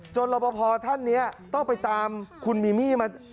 จนรอบพอพอท่านเนี่ยต้องไปตามคุณมีมี่มา